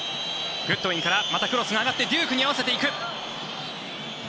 グッドウィンからまたクロスが上がってデュークに合わせていく。